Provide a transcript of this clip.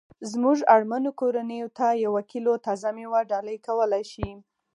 زمونږ اړمنو کورنیوو ته یوه کیلو تازه میوه ډالۍ کولای شي